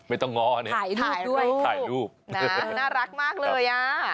ไม่ต้องง้อเนี่ยถ่ายรูปด้วยถ่ายรูปน่ารักมากเลย